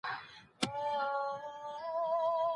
حکومت ډیپلوماټیکي اړیکي نه پري کوي.